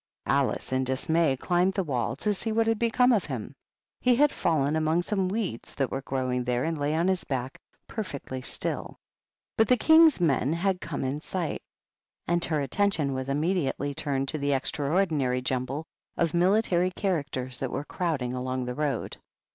Alice, in dismay, climbed the wall to see what had become of him; he had fallen among some weeds that were growing there and lay on his back perfectly still. But the King's men had come in sight, HUMPTY DUMPTY. 101 and her attention was immediately turned to the extraordinary jumble of military characters that were crowding along the road.